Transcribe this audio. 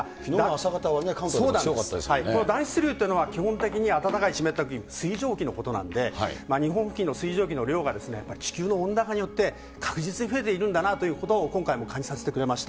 朝方は関東でも強かったんでこの暖湿流っていうのは、基本的には暖かい湿った空気、水蒸気のことなんで、日本付近の水蒸気の量がやっぱり地球の温暖化によって、確実に増えているんだなということを今回も感じさせてくれました。